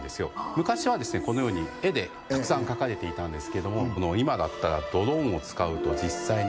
昔はこのように絵でたくさん描かれていたんですけども今だったらドローンを使うと実際に。